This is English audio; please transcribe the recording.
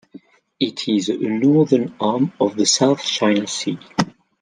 It is a northern arm of the South China Sea.